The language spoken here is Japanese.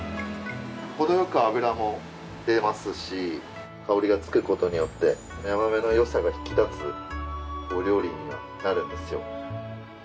程良く脂も出ますし香りがつく事によってヤマメの良さが引き立つお料理になるんですよ。